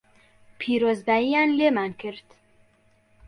پیرۆزبایییان لێمان کرد